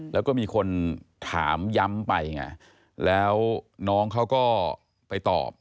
แล้วก็มีคนถามย้ำไปไงแล้วน้องเขาก็ไปตอบ